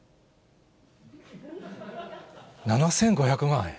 ７５００万円？